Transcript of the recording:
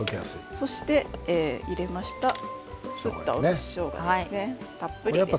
そして、入れましたすったしょうがですね。